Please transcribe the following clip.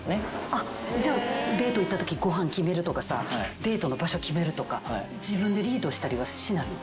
じゃあデート行ったときご飯決めるとかさデートの場所決めるとか自分でリードしたりはしないの？